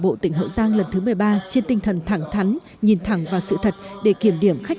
bộ tỉnh hậu giang lần thứ một mươi ba trên tinh thần thẳng thắn nhìn thẳng vào sự thật để kiểm điểm khách